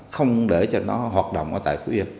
không để cho nó hoạt động ở tại phú yên